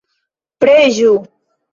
Preĝu!